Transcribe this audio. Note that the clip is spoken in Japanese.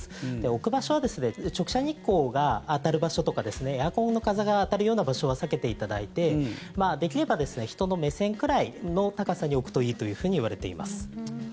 置く場所は直射日光が当たる場所とかエアコンの風が当たるような場所は避けていただいてできれば人の目線くらいの高さに置くといいといわれています。